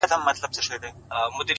عاجزي د حکمت ملګرې ده’